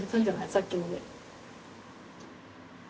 さっきので。